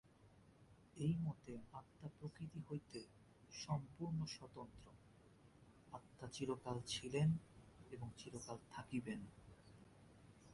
এই মতে আত্মা প্রকৃতি হইতে সম্পূর্ণ স্বতন্ত্র, আত্মা চিরকাল ছিলেন এবং চিরকাল থাকিবেন।